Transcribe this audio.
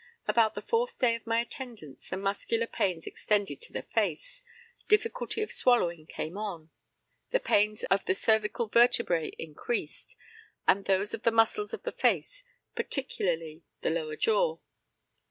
About the fourth day of my attendance the muscular pains extended to the face, difficulty of swallowing came on, the pains in the cervical vertebræ increased, also those of the muscles of the face, particularly the lower jaw.